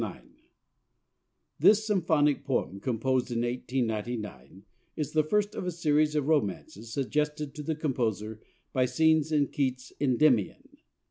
9 This symphonic poem, composed in 1899, is the first of a series of "romances" suggested to the composer by scenes in Keats's "Endymion."